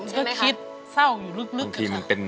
มันก็คิดเศร้าอยู่ลึกอะค่ะ